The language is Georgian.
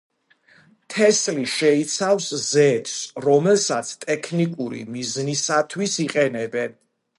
თესლი შეიცავს ზეთს, რომელსაც ტექნიკური მიზნისათვის იყენებენ.